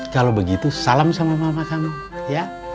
kalau begitu salam sama mama kamu ya